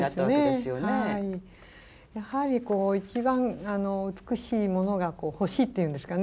やはり一番美しいものが欲しいっていうんですかね。